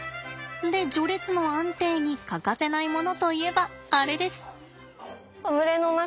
で序列の安定に欠かせないものといえばあれです。